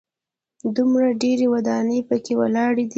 دومره ډېرې ودانۍ په کې ولاړې دي.